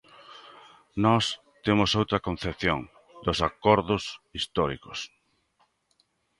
Nós temos outra concepción dos acordos históricos.